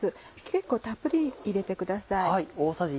結構たっぷり入れてください。